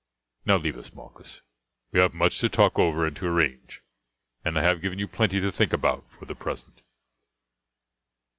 Now leave us, Malchus, we have much to talk over and to arrange, and I have given you plenty to think about for the present."